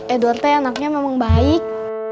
edward teh anaknya memang baik